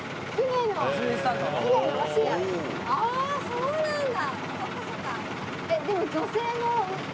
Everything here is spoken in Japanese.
そうなんだ！